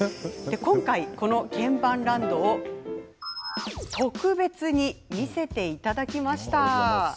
今回、この鍵盤ランドを特別に見せてもらいました。